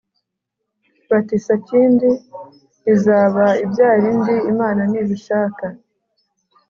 bati sakindi izaba ibyari ikindi imana nibishaka